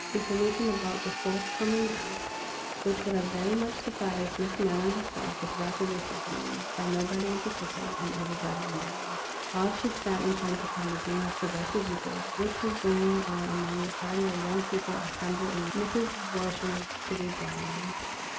Information about the forthcoming dance, which would have very much surprised Miss Maryland herself, was rapidly circulated, by nobody in par ticular and everybody in general, while she sat intent upon the game of progressive euchre which 181 1 82 THE ROMANCE OF A SPOON. was going on among the party of young people assembled in Mrs. Welsh's pretty drawing room.